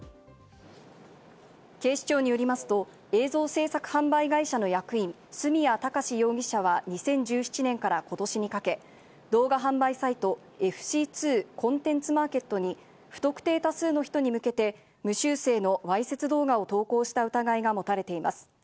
警視庁によりますと、映像制作販売会社の役員・角谷貴史容疑者は２０１７年から今年にかけ、動画販売サイト・ＦＣ２コンテンツマーケットに不特定多数の人に向けて無修正のわいせつ動画を投稿した疑いが持たれています。